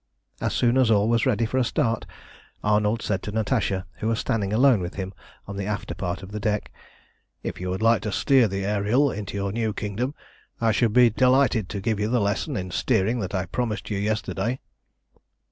As soon as all was ready for a start, Arnold said to Natasha, who was standing alone with him on the after part of the deck "If you would like to steer the Ariel into your new kingdom, I shall be delighted to give you the lesson in steering that I promised you yesterday."